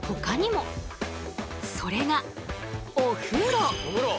それがお風呂！